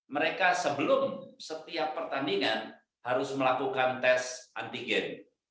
mereka sebelum setiap pertandingan harus melakukan tes antigen